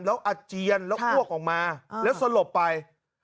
แล้วอาเจียนแล้วอ้วกออกมาแล้วสลบไป